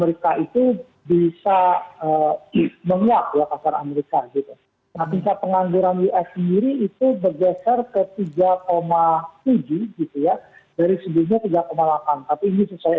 ini yang jadi contohnya